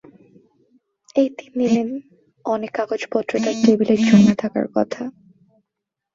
এই তিন দিনে অনেক কাগজপত্র তাঁর টেবিলে জমা থাকার কথা।